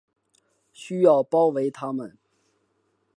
需要包围他们